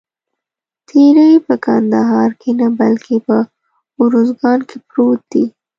تیری په کندهار کې نه بلکې په اوروزګان کې پروت دی.